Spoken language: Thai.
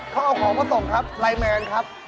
เขาเอาของมาส่งครับไลน์แมนครับ